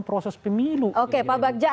proses pemilu oke pak bagja